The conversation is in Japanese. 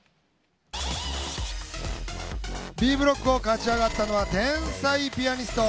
Ｂブロックを勝ち上がったのは天才ピアニスト。